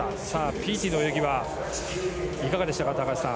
ピーティの泳ぎはいかがでしたか、高橋さん。